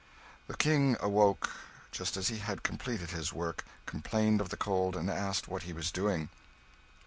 The King awoke, just as he had completed his work, complained of the cold, and asked what he was doing.